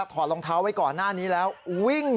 ถอดรองเท้าไว้ก่อนหน้านี้แล้ววิ่ง